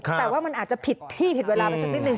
แต่ว่ามันอาจจะผิดที่ผิดเวลาไปสักนิดนึ